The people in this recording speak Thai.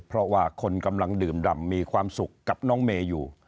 เพราะว่าคนกำลังดื่มดำมีความสุขกับน้องเมย์อยู่